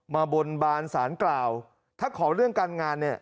มาบนบานสารกล่าวถ้าขอเรื่องการงานเนี่ย